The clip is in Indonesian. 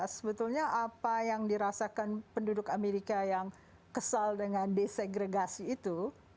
sebetulnya apa yang dirasakan penduduk amerika yang kesal dengan desegregasi itu